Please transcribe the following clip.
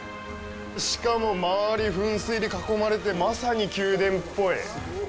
しかも、周り、噴水で囲まれて、まさに宮殿っぽい。